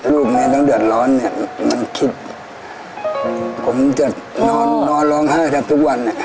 ลูกแม่เลยมันคิดผมจะโน่นล้องไห้ทุกวัได้